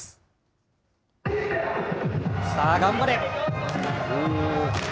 さあ、頑張れ。